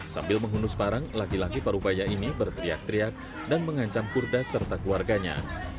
sambil menghundus parang laki laki parupaya ini berteriak teriak dan mengancam kurdes serta keluarganya